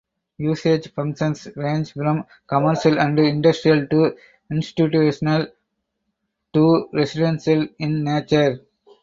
Usage functions range from commercial and industrial to institutional to residential in nature.